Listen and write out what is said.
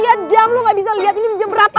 lihat jam lu gak bisa lihat ini jam berapa